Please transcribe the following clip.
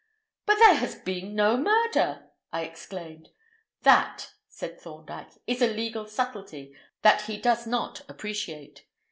"But there has been no murder!" I exclaimed. "That," said Thorndyke, "is a legal subtlety that he does not appreciate.